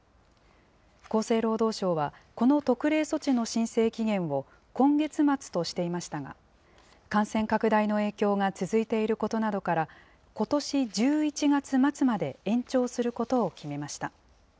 厚生労働省はこの特例措置の申請期限を今月末としていましたが、感染拡大の影響が続いていることなどから、ことし１１月末まで延長することを決めました。